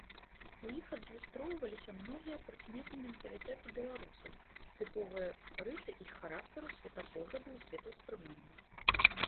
У іх адлюстроўваліся многія прыкметы менталітэту беларусаў, тыповыя рысы іх характару, светапогляду і светаўспрымання.